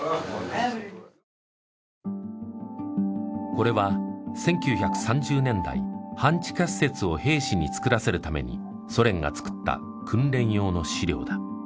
これは１９３０年代半地下施設を兵士に造らせるためにソ連が作った訓練用の資料だ。